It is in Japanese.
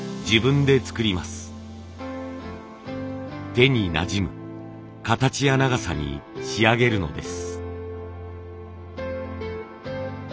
手になじむ形や長さに仕上げるのです。